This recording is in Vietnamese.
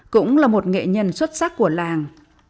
cũng là một nghệ nhân xuất sắc của làng